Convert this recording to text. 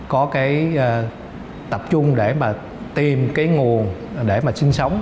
có cái tập trung để mà tìm cái nguồn để mà sinh sống